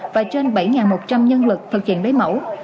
và trên bảy một trăm linh nhân lực thực hiện lấy mẫu